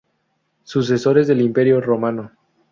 Sucesores del Imperio Romano.